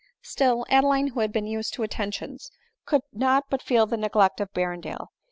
Still Adeline, who had been used to attentions, could not but feel the neglect of Berrendale.